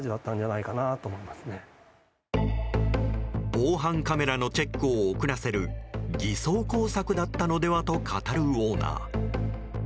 防犯カメラのチェックを遅らせる偽装工作だったのではと語るオーナー。